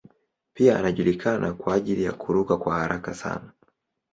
Pia anajulikana kwa ajili ya kuruka kwa haraka sana.